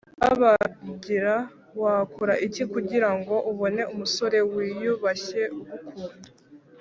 babangira Wakora iki kugira ngo ubone umusore wiyubashye ugukunda